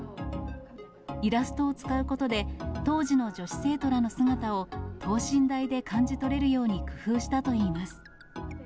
イラストを使うことで、当時の女子生徒らの姿を、等身大で感じ取れるように工夫したといいます。